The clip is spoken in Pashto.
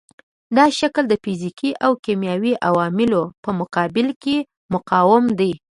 دا شکل د فزیکي او کیمیاوي عواملو په مقابل کې مقاوم دی.